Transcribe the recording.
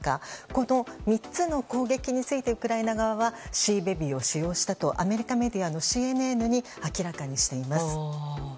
この３つの攻撃についてウクライナ側はシーベビーを使用したとアメリカメディアのＣＮＮに明らかにしています。